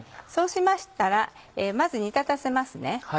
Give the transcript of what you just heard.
そうしましたらまず煮立たせますね。